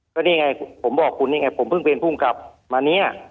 ก็นี่ไงผมบอกคุณนี่ไงผมเพิ่งเป็นภูมิกลับมาเนี่ย